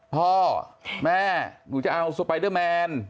พ่อแม่หนูจะเอาสไปเดอร์แมน